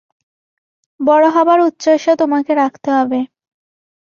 বড় হবার উচ্চাশা তোমাকে রাখতে হবে।